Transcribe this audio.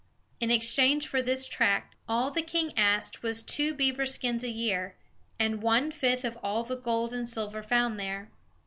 In exchange for this tract, all the king asked was two beaver skins a year, and one fifth of all the gold and silver found there.